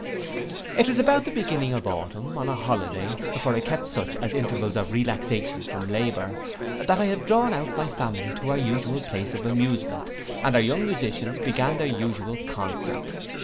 It was about the beginning of autumn, on a holiday, for I kept such as intervals of relaxation from labour, that I had drawn out my family to our usual place of amusement, and our young musicians began their usual concert.